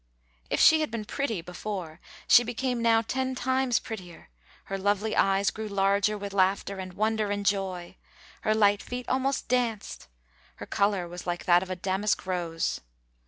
If she had been pretty before, she became now ten times prettier; her lovely eyes grew larger with laughter and wonder and joy; her light feet almost danced; her color was like that of a damask rose.